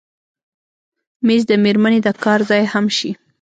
مېز د مېرمنې د کار ځای هم شي.